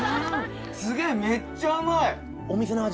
すげぇめっちゃうまい。